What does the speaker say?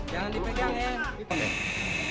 jangan dipegang ya